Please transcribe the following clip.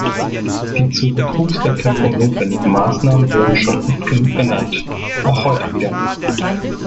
Die zur Betrugsbekämpfung notwendigen Maßnahmen wurden schon oft genug genannt, auch heute wieder.